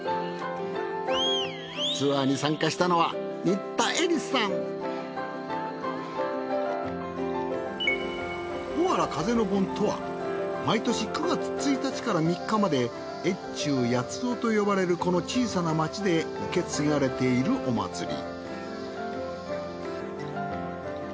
ツアーに参加したのはおわら風の盆とは毎年９月１日から３日まで越中八尾と呼ばれるこの小さな町で受け継がれているお祭り。